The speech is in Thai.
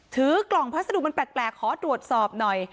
ถือกล่องพัสดุมันแปลกขอตรวจสอบหน่อย